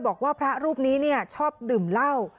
บอกว่าพระรูปนี้ชอบดื่มเหล้า